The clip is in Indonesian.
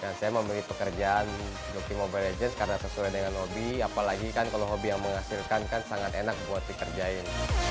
dan saya memiliki pekerjaan di mobile legends karena sesuai dengan hobi apalagi kalau hobi yang menghasilkan kan sangat enak buat dikerjain